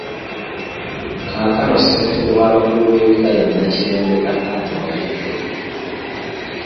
Kaakano Ssentebe w’abakulu b’ebkika ye Nakirembeka Allan Waliggo.